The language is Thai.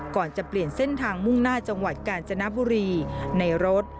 ก่อนจะเปลี่ยนเส้นทางมุ่งหน้าจังหวัดกาญจนบุรีในรถ